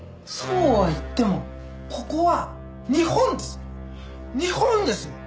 そうは言ってもここは日本です。